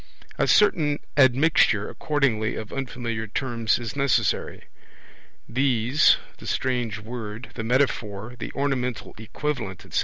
A certain admixture, accordingly, of unfamiliar terms is necessary. These, the strange word, the metaphor, the ornamental equivalent, etc..